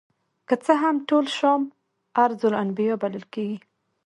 که څه هم ټول شام ارض الانبیاء بلل کیږي.